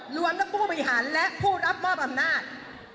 รวมทั้งผู้บริหารและผู้รับมอบอำนาจ